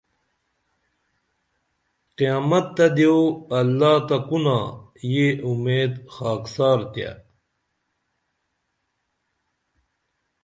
قیامت تہ دیو اللہ تہ کُنا یہ اُمید خاکسار تیہ